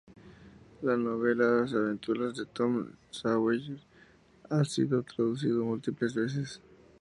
La novela Las aventuras de Tom Sawyer ha sido traducido múltiples veces.